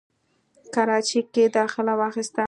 کراچۍ کښې داخله واخسته،